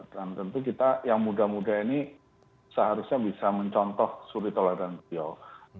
dan tentu kita yang muda muda ini seharusnya bisa mencontoh suri tola dan biya'u